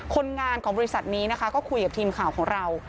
คนงานของบริษัทนี้นะคะก็คุยกับทีมข่าวของเรา